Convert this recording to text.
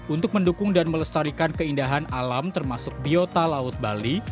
untuk mendukung dan melestarikan keindahan alam termasuk biota laut bali